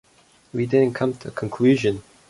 We didn't come to a conclusion.